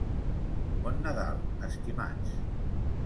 Bon Nadal, estimats.